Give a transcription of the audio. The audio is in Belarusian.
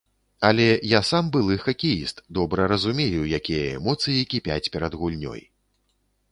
Але я сам былы хакеіст, добра разумею, якія эмоцыі кіпяць перад гульнёй.